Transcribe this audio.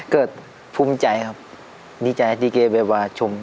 ก็ภูมิใจครับดีใจที่แกแบบว่าชม